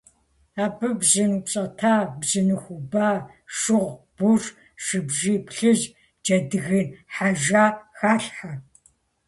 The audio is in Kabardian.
Абы бжьын упщӀэта, бжьыныху уба, шыгъу, бурш, шыбжий плъыжь, джэдгын хьэжа халъхьэ.